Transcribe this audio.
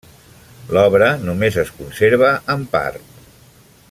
L'obra només es conserva en part.